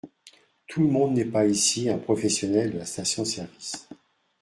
Tout le monde n’est pas, ici, un professionnel de la station-service.